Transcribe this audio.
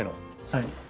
はい。